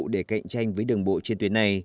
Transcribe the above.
để cạnh tranh với đường bộ trên tuyến này